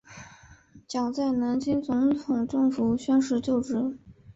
蒋在南京总统府宣誓就职。